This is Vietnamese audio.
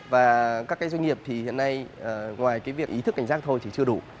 và các cái doanh nghiệp thì hiện nay ngoài cái việc ý thức cảnh giác thôi thì chưa đủ